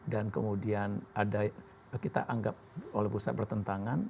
dan kemudian ada kita anggap oleh pusat bertentangan